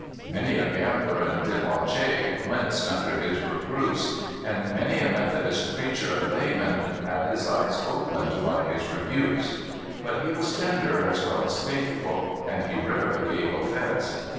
Many a gambler and debauchee winced under his reproofs, and many a Methodist preacher and layman had his eyes opened by his rebukes. But he was tender as well as faithful, and he rarely gave offense.